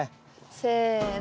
せの。